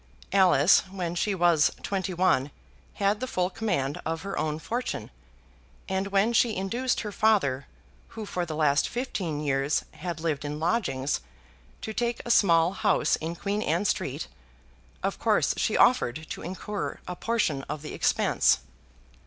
Alice when she was twenty one had the full command of her own fortune; and when she induced her father, who for the last fifteen years had lived in lodgings, to take a small house in Queen Anne Street, of course she offered to incur a portion of the expense.